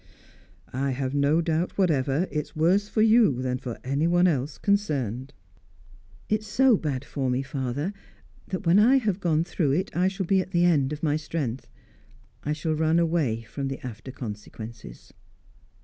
I have no doubt whatever it's worse for you than for anyone else concerned." "It is so bad for me, father, that, when I have gone through it, I shall be at the end of my strength. I shall run away from the after consequences."